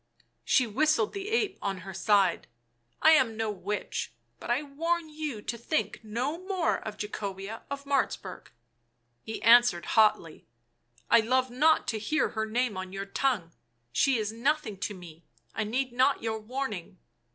She whistled the ape on her side. " I am no witch — but I warn you to think no more of Jacobea of Martzburg . 5 ' He answered hotly. " I love not to hear her name on your tongue ; she is nothing to me ; I need not your warning.